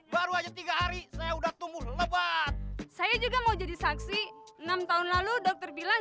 baru aja tiga hari saya udah tumbuh lebat saya juga mau jadi saksi enam tahun lalu dokter bilang